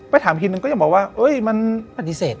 ไปถามอีกทีหนึ่งก็ยังบอกว่าปฏิเสธ